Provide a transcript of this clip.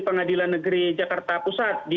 pengadilan negeri jakarta pusat di